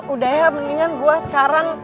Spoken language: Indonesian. udah ya mendingan gue sekarang